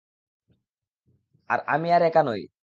আর আমি আর একা নই।